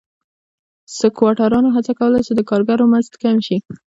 سکواټورانو هڅه کوله چې د کارګرو مزد کم شي.